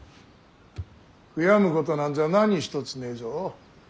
悔やむことなんざ何一つねえぞ。